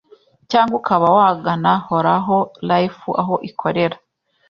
cyangwa ukaba wagana Horaho Life aho ikorera